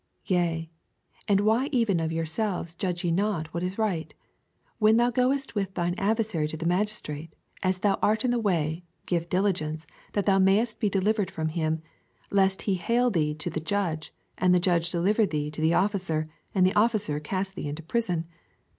57 Yea, and why even of yourselves judgeye not what is right 58 When thou goest with thine adversary to the magistrate, as thou art in the way, give diligence that thou mayest be delivered ft om him ; lest he hale thee to the judge, and the judge deliver thee to the officer, and the officer cast thee into prison.